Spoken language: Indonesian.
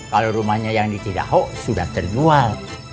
kalau rumahnya yang di cidahu sudah terjual